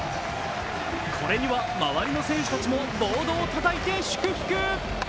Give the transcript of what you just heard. これには周りの選手たちもボードをたたいて祝福。